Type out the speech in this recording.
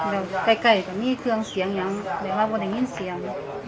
แล้วก็ใกล้ก็มีเครื่องเสียงอย่างเราว่าแบบนี้เสียง